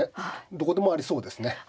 どこでもありそうですねはい。